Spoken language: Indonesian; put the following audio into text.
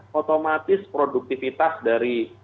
sehingga otomatis produktivitas dari peternaknya